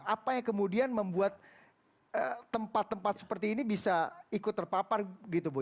apa yang kemudian membuat tempat tempat seperti ini bisa ikut terpapar gitu bu